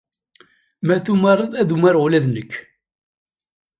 Ma tumared, ad umareɣ ula d nekk.